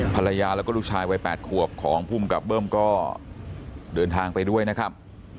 ภรรยาแล้วก็ลูกชายวัย๘ขวบของภูมิกับเบิ้มก็เดินทางไปด้วยนะครับ